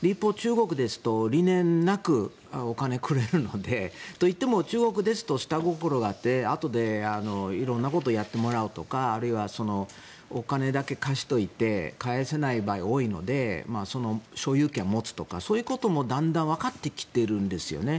一方、中国ですと理念なくお金をくれるので。といっても中国だと下心があってあとで色んなことをやってもらおうとかお金だけ貸しておいて返せない場合が多いので所有権を持つとかそういうこともだんだんわかってきているんですよね。